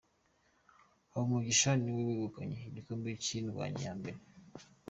Habumugisha ni we wegukanye igikombe nk’indwanyi ya mbere